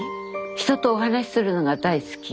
人とお話しするのが大好き。